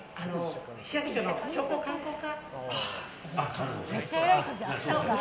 市役所の商工観光課！